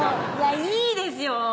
いいですよ